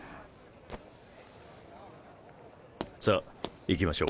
さあ行きましょう。